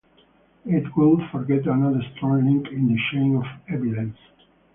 It would forge another strong link in the chain of evidence.